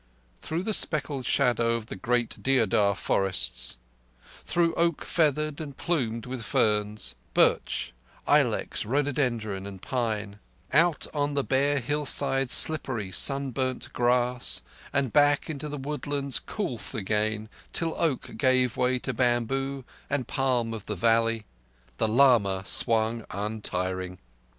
Through the speckled shadow of the great deodar forests; through oak feathered and plumed with ferns; birch, ilex, rhododendron, and pine, out on to the bare hillsides' slippery sunburnt grass, and back into the woodlands' coolth again, till oak gave way to bamboo and palm of the valley, the lama swung untiring.